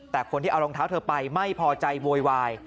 แต่คนที่เอารองเท้าเธอไปไม่พอใจโวยวาย